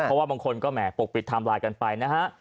เพราะว่าบางคนก็แห่ปกปิดไทม์ไลน์กันไปนะฮะ